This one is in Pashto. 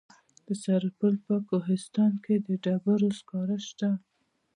د سرپل په کوهستان کې د ډبرو سکاره شته.